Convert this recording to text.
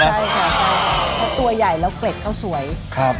ใช่ค่ะเพราะตัวใหญ่แล้วเกร็ดเขาสวยครับ